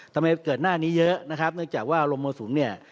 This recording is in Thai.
ทำไมเกิดหน้านี้เยอะนะครับเนื่องจากว่าลมมรสุมเนี่ย